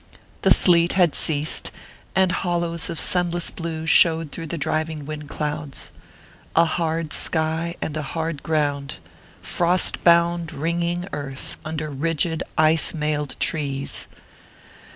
The sleet had ceased, and hollows of sunless blue showed through the driving wind clouds. A hard sky and a hard ground frost bound ringing earth under rigid ice mailed trees.